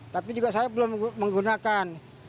tapi juga saya belum menggunakan